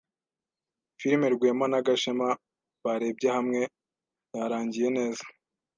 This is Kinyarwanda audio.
Filime Rwema na Gashema barebye hamwe yarangiye neza.